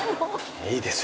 「いいですね」！